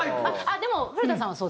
でも古田さんはそうです。